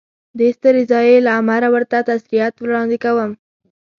دې سترې ضایعې له امله ورته تسلیت وړاندې کوم.